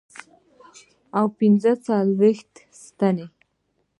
او پنځه څلوېښت سنټه